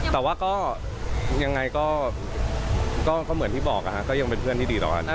แต่ว่าก็ยังไงก็เหมือนที่บอกก็ยังเป็นเพื่อนที่ดีต่อกัน